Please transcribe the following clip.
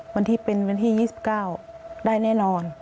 วันที่เป็นวันที่ยี่สิบเก้าได้แน่นอน